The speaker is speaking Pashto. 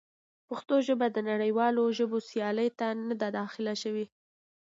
پښتو ژبه د نړیوالو ژبو سیالۍ ته نه ده داخله شوې.